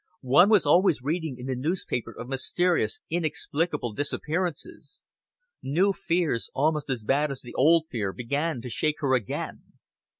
One was always reading in the newspaper of mysterious, inexplicable disappearances. New fears almost as bad as the old fear began to shake her again.